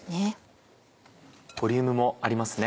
ボリュームもありますね。